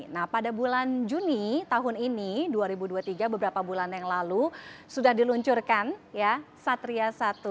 nah pada bulan juni tahun ini dua ribu dua puluh tiga beberapa bulan yang lalu sudah diluncurkan ya satria satu